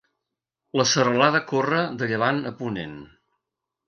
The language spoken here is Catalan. La serralada corre de llevant a ponent.